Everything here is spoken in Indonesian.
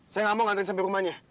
saya nggak mau ngantri sampai rumahnya